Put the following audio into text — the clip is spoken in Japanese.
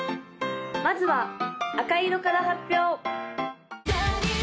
まずは赤色から発表！